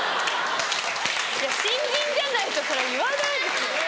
新人じゃないとそれ言わないですよ。